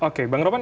oke bang ropan